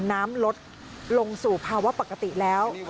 น้ำลดลงสู่ภาวะปกติแล้ว